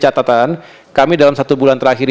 catatan kami dalam satu bulan terakhir ini